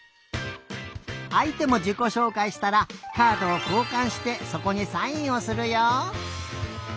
あいてもじこしょうかいしたらカードをこうかんしてそこにサインをするよ。